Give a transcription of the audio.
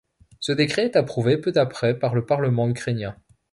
Ce décret est approuvé peu après par le Parlement ukrainien.